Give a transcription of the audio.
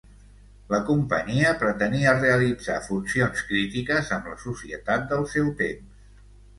La companyia pretenia realitzar funcions crítiques amb la societat del seu temps.